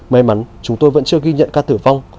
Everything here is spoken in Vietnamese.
may mắn chúng tôi vẫn chưa ghi nhận ca tử vong